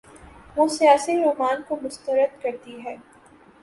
وہ سیاسی رومان کو مسترد کرتی ہے۔